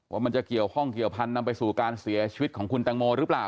มันจะเกี่ยวข้องเกี่ยวพันธนำไปสู่การเสียชีวิตของคุณตังโมหรือเปล่า